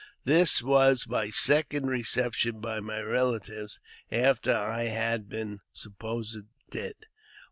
This was my second reception by my relatives after I ha been supposed dead.